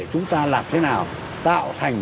chúng ta làm thế nào tạo thành